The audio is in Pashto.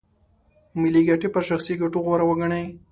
ملي ګټې پر شخصي ګټو غوره وګڼي.